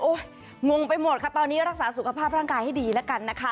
งงไปหมดค่ะตอนนี้รักษาสุขภาพร่างกายให้ดีแล้วกันนะคะ